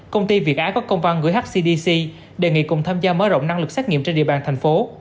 công ty việt á có công văn gửi hcdc đề nghị cùng tham gia mở rộng năng lực xét nghiệm trên địa bàn thành phố